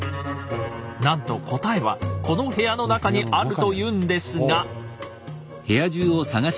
なんと答えはこの部屋の中にあるというんですが。